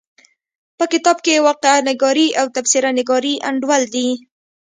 په کتاب کې واقعه نګاري او تبصره نګاري انډول دي.